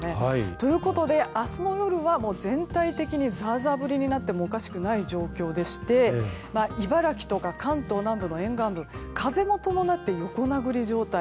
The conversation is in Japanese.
ということで明日の夜は全体的にザーザー降りになってもおかしくない状況でして茨城とか関東南部の沿岸部風も伴って横殴り状態。